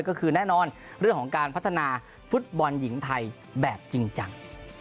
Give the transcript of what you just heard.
ก็คือแน่นอนเรื่องของการพัฒนาฟุตบอลหญิงไทยแบบจริงจัง